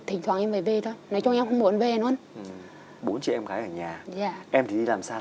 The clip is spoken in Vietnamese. thỉnh thoảng em phải về thôi nói chung em không muốn về luôn bố chị em gái ở nhà em thì làm sao